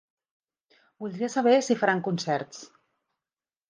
Voldria saber si faran concerts.